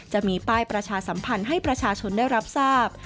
จะมีป้ายประชาสัมพันธ์ให้ประชาชนได้รับทราบ